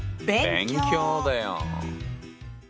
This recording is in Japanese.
勉強だよ。